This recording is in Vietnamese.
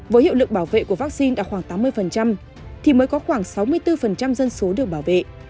với hiệu lực bảo vệ của vaccine đạt khoảng tám mươi thì mới có khoảng sáu mươi bốn dân số được bảo vệ